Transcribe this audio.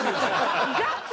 ガッツ